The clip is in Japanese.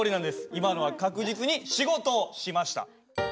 今のは確実に仕事をしました。